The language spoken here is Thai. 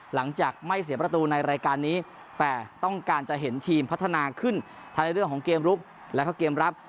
หลังจากไม่เสียประตูในรายการนี้แต่ต้องการจะเห็นทีมพัฒนาขึ้นทั้งในเรื่องของเกมลุกแล้วก็เกมรับ